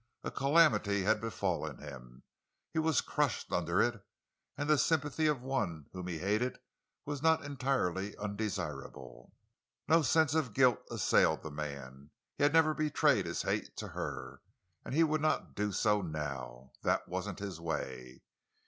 A calamity had befallen him; he was crushed under it; and the sympathy of one whom he hated was not entirely undesirable. No sense of guilt assailed the man. He had never betrayed his hate to her, and he would not do so now. That wasn't his way.